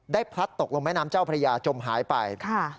ได้พัดโต๊ะลงแม้น้ำเจ้าพระยาจมหายไปฆ่า